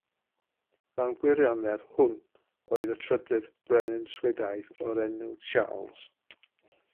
Mewn gwirionedd, hwn oedd y trydydd brenin Swedaidd o'r enw Charles